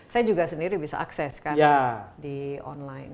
saya juga sendiri bisa akseskan di online